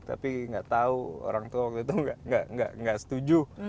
tapi enggak tahu orang itu waktu itu enggak setuju